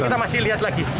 kita masih lihat lagi